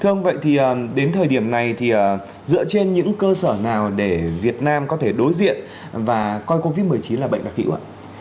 thưa ông vậy thì đến thời điểm này thì dựa trên những cơ sở nào để việt nam có thể đối diện và coi covid một mươi chín là bệnh đặc hữu ạ